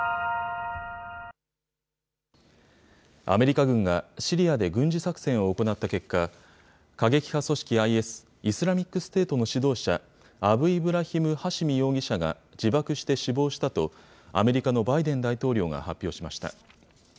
アメリカ軍がシリアで軍事作戦を行った結果、過激派組織ＩＳ・イスラミックステートの指導者、アブイブラヒム・ハシミ容疑者が自爆して死亡したと、アメリカのバイデン大統領が発表しました。